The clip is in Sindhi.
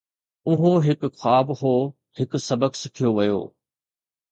اهو هڪ خواب هو، هڪ سبق سکيو ويو